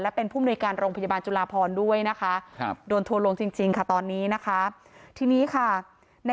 และเป็นผู้มนุยการโรงพยาบาลจุลาพรด้วยนะคะครับโดนทัวลงจริงจริงค่ะตอนนี้นะคะ